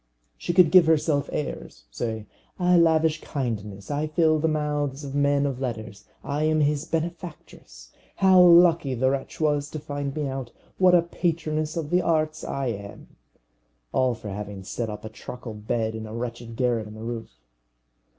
She could give herself airs: say, "I lavish kindness; I fill the mouths of men of letters; I am his benefactress. How lucky the wretch was to find me out! What a patroness of the arts I am!" All for having set up a truckle bed in a wretched garret in the roof.